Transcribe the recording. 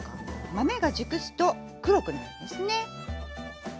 豆が熟すと黒くなるんですね。